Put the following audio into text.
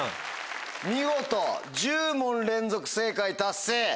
見事１０問連続正解達成！